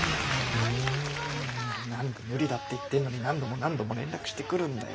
「ん何で無理だって言ってんのに何度も何度も連絡してくるんだよ。